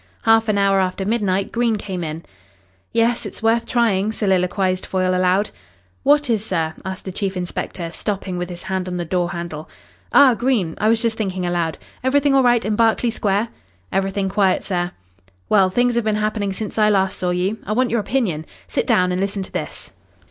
Half an hour after midnight Green came in. "Yes, it's worth trying," soliloquised Foyle aloud. "What is, sir?" asked the chief inspector, stopping with his hand on the door handle. "Ah, Green. I was just thinking aloud. Everything all right in Berkeley Square?" "Everything quiet, sir." "Well, things have been happening since I last saw you. I want your opinion. Sit down and listen to this."